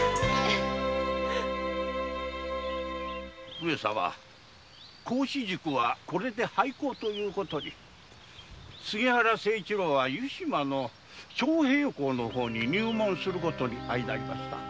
上様孔子塾はこれで廃校となり杉原清一郎は湯島の昌平黌の方に入門する事になりました。